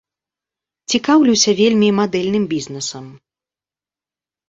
Цікаўлюся вельмі мадэльным бізнесам.